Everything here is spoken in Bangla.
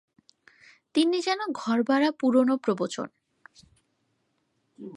তিনি যেন ঘরভরা পুরনো প্রবচন।